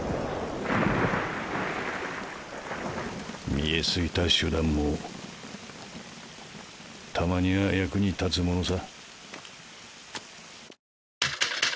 見え透いた手段もたまには役に立つものさ。